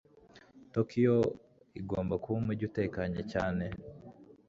Tokiyo igomba kuba umujyi utekanye cyane.